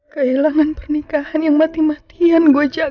kehilangan pernikahan yang mati matian gue jaga